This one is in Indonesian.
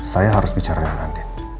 saya harus bicara dengan anda